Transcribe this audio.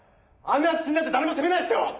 あんな奴死んだって誰も責めないですよ！